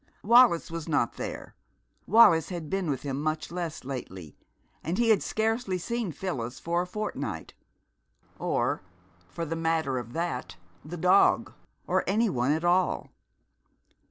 Wallis was not there. Wallis had been with him much less lately, and he had scarcely seen Phyllis for a fortnight; or, for the matter of that, the dog, or any one at all.